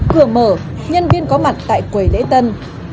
cửa mở nhân viên có mặt tại quầy lễ tân